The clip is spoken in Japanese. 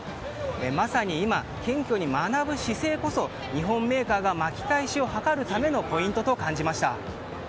まさに今、謙虚に学ぶ姿勢こそ日本メーカーが巻き返しを図るためのポイントと感じました。